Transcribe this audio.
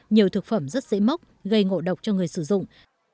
nhiều thực phẩm rất dễ mốc gây ngộ độc cho người sử dụng